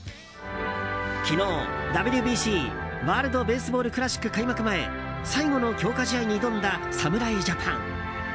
昨日、ＷＢＣ・ワールド・ベースボール・クラシック開幕前最後の強化試合に挑んだ侍ジャパン。